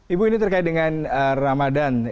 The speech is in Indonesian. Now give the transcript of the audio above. ibu ini terkait dengan ramadan